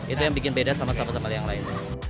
itu yang bikin beda sama sama yang lain